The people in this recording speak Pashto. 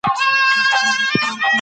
له خلکو سره.